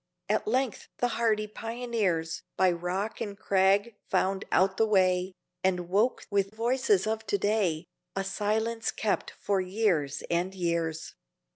At length the hardy pioneers By rock and crag found out the way, And woke with voices of to day, A silence kept for years and years.